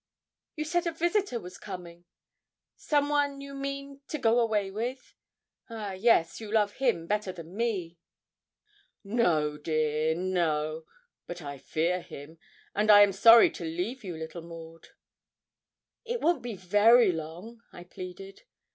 'You said a visitor was coming; some one, you mean, to go away with. Ah, yes, you love him better than me.' 'No, dear, no; but I fear him; and I am sorry to leave you, little Maud.' 'It won't be very long,' I pleaded.